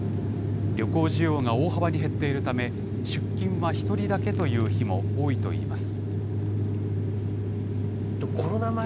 旅行需要が大幅に減っているため、出勤は１人だけという日も多いといいます。